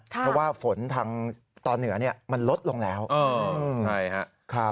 เพราะว่าฝนทางตอนเหนือเนี้ยมันลดลงแล้วเออใช่ฮะครับ